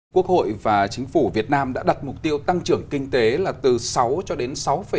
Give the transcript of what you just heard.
quốc hội và chính phủ việt nam đã đặt mục tiêu tăng trưởng kinh tế là từ sáu cho đến sáu bảy